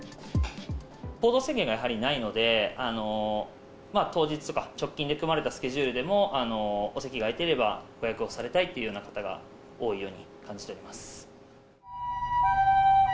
行動制限がやはりないので、当日とか、直近で組まれたスケジュールでも、お席が空いてれば、ご予約をされたいというような方が多いように感じています。